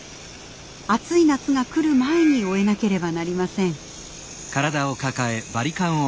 暑い夏が来る前に終えなければなりません。